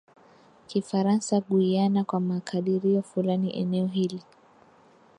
Kifaransa Guiana Kwa makadirio fulani eneo hili